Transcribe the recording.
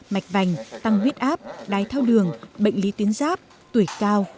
mạch vành tăng huyết áp đái thao đường bệnh lý tuyến giáp tuổi cao